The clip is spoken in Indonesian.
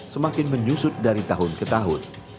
semakin menyusut dari tahun ke tahun